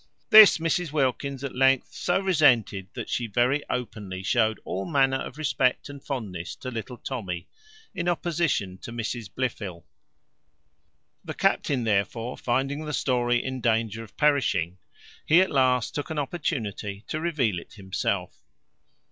This Mrs Wilkins, at length, so resented, that she very openly showed all manner of respect and fondness to little Tommy, in opposition to Mrs Blifil. The captain, therefore, finding the story in danger of perishing, at last took an opportunity to reveal it himself.